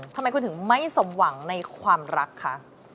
ทำไมคุณถึงไม่สมหวังในความรักคะ